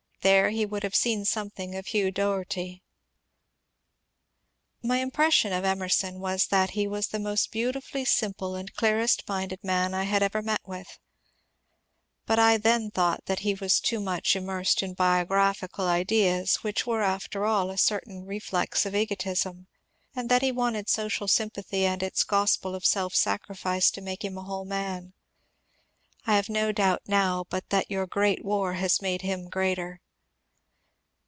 There he would have seen something of Hugh Doherty.^ ^ Translator of Foarier's Poisiom of the Human SouL 396 MONCTJBE DANIEL CONWAY My impression of Emerson was that he was the most beauti fully simple and dearest minded man I had ever met with, — but I then thought that he was too much immersed in biogra phical ideas, which were after all a certain reflex of egotism, and that he wanted social sympathy and its gospel of self sacrifice to make him a whole man. I have no doubt now but that your great war has made him greater.